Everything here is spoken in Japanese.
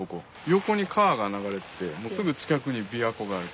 横に川が流れててすぐ近くに琵琶湖がある。